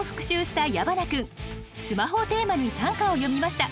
「スマホ」をテーマに短歌を詠みました。